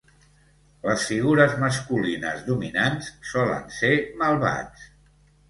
Les figures masculines dominants solen ser malvats.